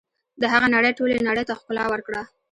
د هغه نړۍ ټولې نړۍ ته ښکلا ورکړه.